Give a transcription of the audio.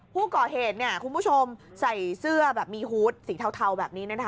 ผู้ก่อเหตุเนี่ยคุณผู้ชมใส่เสื้อแบบมีฮูตสีเทาแบบนี้นะคะ